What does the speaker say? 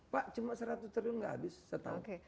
pak cuma seratus triliun nggak habis setahun